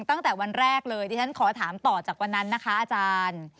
ตั้งแต่วันแรกเลยที่ฉันขอถามต่อจากวันนั้นนะคะอาจารย์